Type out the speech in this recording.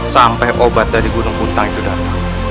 sampai obat dari gunung unta itu datang